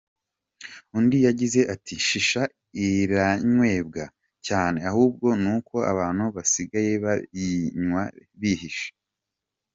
Undi yagize ati “Shisha iranywebwa cyane ahubwo n’uko abantu basigaye bayinywa bihishe.